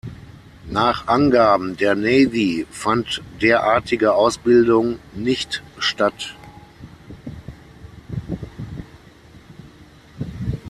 Nach Angaben der Navy fand derartige Ausbildung nicht statt.